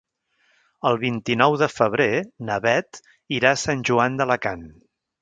El vint-i-nou de febrer na Bet irà a Sant Joan d'Alacant.